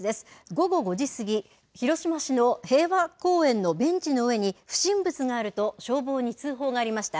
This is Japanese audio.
午後５時過ぎ、広島市の平和公園のベンチの上に不審物があると消防に通報がありました。